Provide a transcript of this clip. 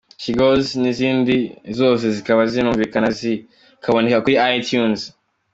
she goes nizindi izi zose zikaba zinumvikana zikanaboneka kuri Itunes.